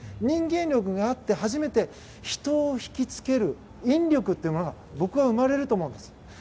人間力があって初めて人を引き付ける引力というものが僕は生まれると思うんです。